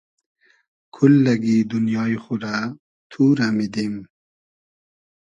کوللئگی دونیای خو رۂ تو رۂ میدیم